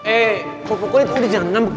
eh kok pokoknya udah jangan ngambek